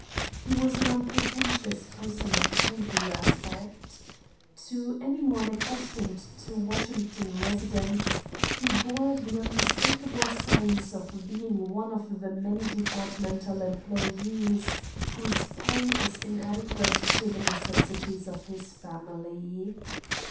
He was an unpretentious person of kindly aspect. To any one accustomed to Washington residents, he bore the unmistakable signs of being one of the many departmental employees whose pay is inadequate to the necessities of his family.